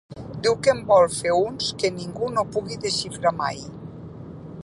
Diu que en vol fer uns que ningú no pugui desxifrar mai.